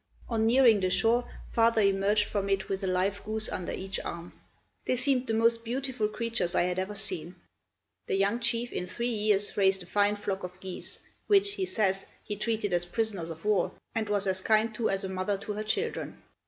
On nearing the shore father emerged from it with a live goose under each arm. They seemed the most beautiful creatures I had ever seen." The young chief in three years raised a fine flock of geese, which, he says, he treated as prisoners of war, and was as kind to as a mother to her children.